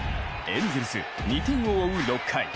エンゼルス、２点を追う６回。